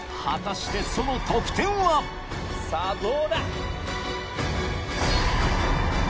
果たしてその得点はさぁどうだ？